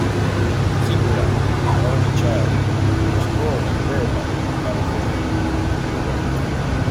Cibrian, an only child, was born in Burbank, California.